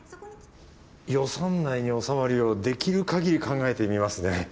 予算内に収まるようできるかぎり考えてみますね。